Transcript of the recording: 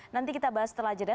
nanti kita bahas setelah jeda